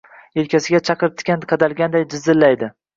Yelkasiga chaqirtikan qadalganday jizillaydi.